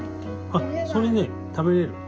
あっそれね食べれる。